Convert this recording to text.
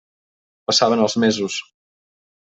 Passaven els mesos.